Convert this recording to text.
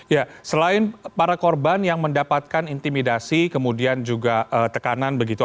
ya selain para korban yang mendapatkan intimidasi kemudian juga tekanan begitu